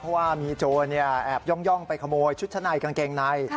เพราะว่ามีโจรแอบย่องไปขโมยชุดชั้นในกางเกงใน